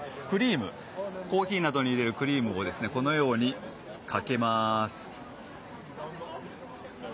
コーヒーなどに入れるクリームをかけます。